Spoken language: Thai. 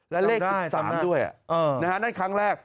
และเลข๑๓ด้วยนั่นครั้งแรก